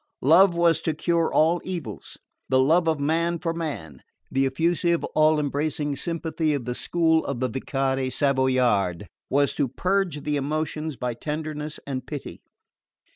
Love was to cure all evils: the love of man for man, the effusive all embracing sympathy of the school of the Vicaire Savoyard, was to purge the emotions by tenderness and pity.